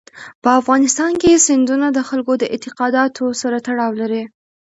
په افغانستان کې سیندونه د خلکو د اعتقاداتو سره تړاو لري.